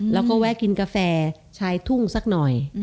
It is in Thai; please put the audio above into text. เราก็แวะกินกาแฟใช้ทุ่งซักหน่อย